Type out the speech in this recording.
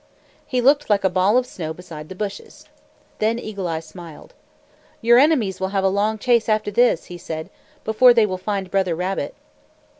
He looked like a ball of snow beside the bushes. Then Eagle Eye smiled. "Your enemies will have a long chase after this," he said, "before they will find Brother Rabbit!"